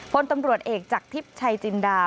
พลตำรวจเอกจากทิพย์ชัยจินดา